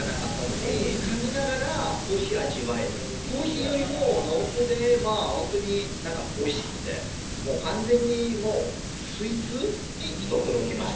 コーヒーよりも濃厚でホントに美味しくて完全にもうスイーツにちょっと驚きました。